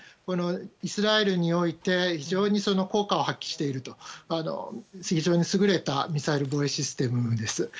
イスラエルにおいて非常に効果を発揮している非常に優れたミサイル防衛システムです。